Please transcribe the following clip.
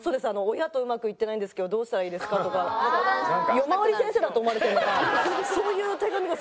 「親とうまくいってないんですけどどうしたらいいですか？」とか夜回り先生だと思われてるのかそういう手紙がすごい多いんで。